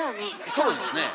そうですねえ。